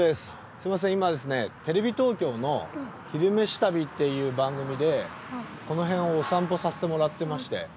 すみません今ですねテレビ東京の「昼めし旅」っていう番組でこの辺をお散歩させてもらってまして。